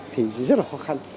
thì rất là khó khăn